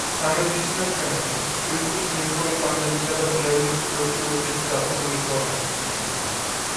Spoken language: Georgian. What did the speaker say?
სამედიცინო ჩვენება: ფილტვის, ლიმფური კვანძებისა და პლევრის ტუბერკულოზის დახურული ფორმა.